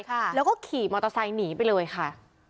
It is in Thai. ค่ะแล้วก็ขี่มอเตอร์ไซค์หนีไปเลยค่ะ